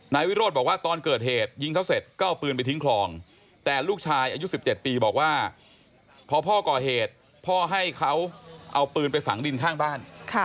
นายวิโรธบอกว่าตอนเกิดเหตุยิงเขาเสร็จก็เอาปืนไปทิ้งคลองแต่ลูกชายอายุ๑๗ปีบอกว่าพอพ่อก่อเหตุพ่อให้เขาเอาปืนไปฝังดินข้างบ้าน